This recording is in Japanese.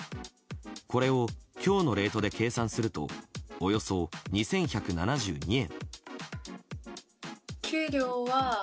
これを今日のレートで計算するとおよそ２１７２円。